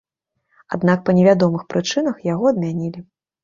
Аднак па невядомых прычынах яго адмянілі.